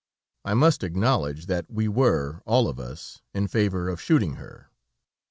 I must acknowledge that we were all of us in favor of shooting her.